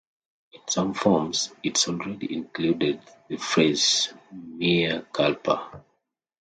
In some forms it already included the phrase "mea culpa".